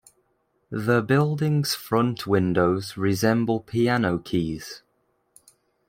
The building's front windows resemble piano keys.